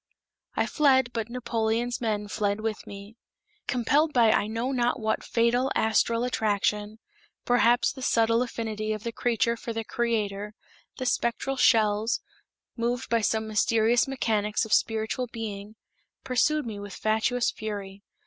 I fled, but Napoleon's men fled with me. Compelled by I know not what fatal astral attraction, perhaps the subtle affinity of the creature for the creator, the spectral shells, moved by some mysterious mechanics of spiritual being, pursued me with fatuous fury.